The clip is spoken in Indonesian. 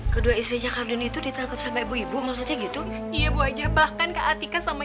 kedua istri jakardini itu ditangkap sampai ibu maksudnya gitu iya wajah bahkan kehatikan sama